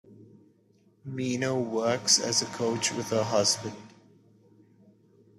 Meno works as a coach with her husband.